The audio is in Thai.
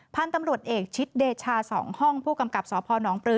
พันธุ์ตำรวจเอกชิดเดชา๒ห้องผู้กำกับสพนปลือ